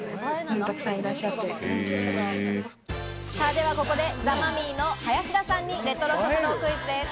ではここでザ・マミィの林田さんにレトロ食堂クイズです。